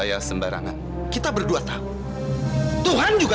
mas apa tidak cukup